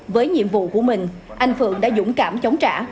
với nhiệm vụ của mình anh phượng đã dũng cảm chống trả